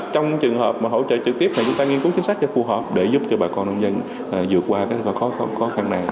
trong trường hợp mà hỗ trợ trực tiếp này chúng ta nghiên cứu chính sách cho phù hợp để giúp cho bà con nông dân vượt qua các khó khăn này